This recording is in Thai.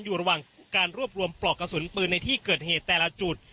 อยู่ระหว่างการรวบรวมปลอกกระสุนปืนในที่เกิดเหตุแต่ละจุด